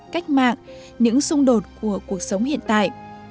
cách mạng những xung đột của cuộc sống hiện tại